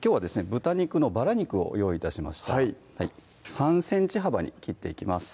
豚肉のバラ肉を用意致しました３ｃｍ幅に切っていきます